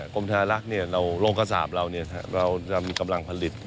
กรมธนารักษ์โลงกษัตริย์เราจะมีกำลังผลิต